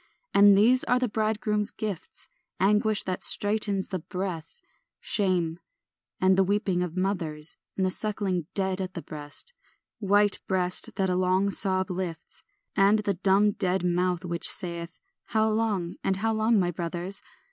And these are the bridegroom's gifts; Anguish that straitens the breath, Shame, and the weeping of mothers, And the suckling dead at the breast, White breast that a long sob lifts; And the dumb dead mouth, which saith, "How long, and how long, my brothers?"